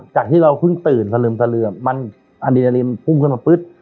จากที่เราเพิ่งตื่นสะเรือมสะเรือมมันอันดีในริมพุ่งขึ้นมาปึ๊บ